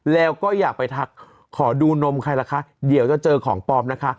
แล้วก็อยากไปทักขอดูนมใครล่ะคะเดี๋ยวจะเจอของปลอมนะคะ